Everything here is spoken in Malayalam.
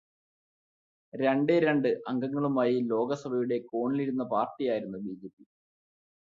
രണ്ടേ രണ്ട് അംഗങ്ങളുമായി ലോക്സഭയുടെ കോണിലിരുന്ന പാര്ടിയായിരുന്നു ബിജെപി.